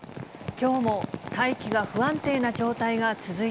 きょうも大気が不安定な状態